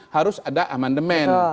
harus ada amandemen